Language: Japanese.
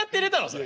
それ。